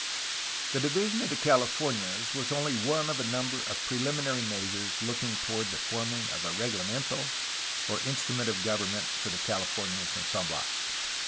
The division of the Californias was only one of a number of preliminary measures looking toward the forming of a reglamentOf or instrument of government, for the Californias and San Bias.